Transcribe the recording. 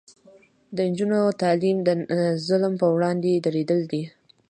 د نجونو تعلیم د ظلم پر وړاندې دریدل دي.